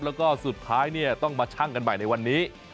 แล้วก็สุดท้ายต้องมาชั่งกันใหม่ในวันนี้